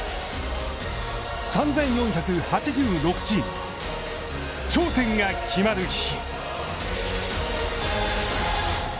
３４８６チーム、頂点が決まる日。